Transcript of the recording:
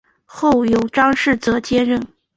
后由张世则接任。